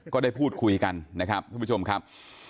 ก็ได้พูดคุยกันนะครับทุกผู้ชมครับ